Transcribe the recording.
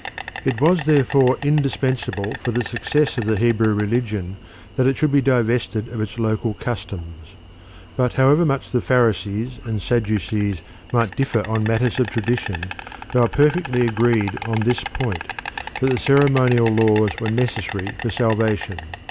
It was therefore indispensable for the success of the Hebrew religion that it should be divested of its local customs. But however much the Pharisees and Sadducees might differ on matters of tradition, they were perfectly agreed on this point, that the ceremonial laws were necessary for salvation.